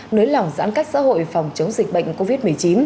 nới lỏng giãn cách xã hội phòng chống dịch bệnh covid một mươi chín